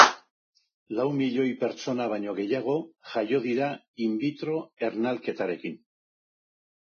Lau milioi pertsona baino gehiago jaio dira in vitro ernalketarekin.